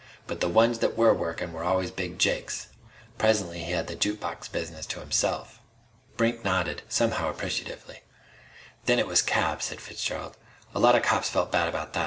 But the ones that were workin' were always Big Jake's. Presently he had the juke box business to himself." Brink nodded, somehow appreciatively. "Then it was cabs," said Fitzgerald. "A lot of cops felt bad about that.